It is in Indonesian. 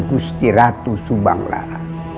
gusti ratu suwajar